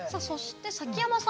崎山さん